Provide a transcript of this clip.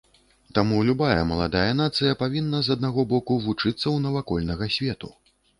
Таму любая маладая нацыя павінна, з аднаго боку, вучыцца ў навакольнага свету.